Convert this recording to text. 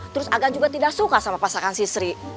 terus agan juga tidak suka sama pasangan sri